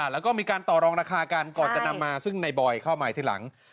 แล้วก็มีการต่อรองราคากันก่อนจะนำมาซึ่งในบอยเข้ามาทีหลัง